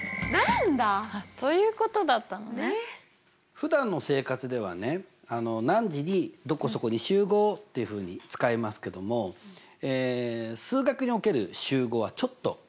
ふだんの生活ではね「何時にどこそこに集合」っていうふうに使いますけども数学における集合はちょっと違います。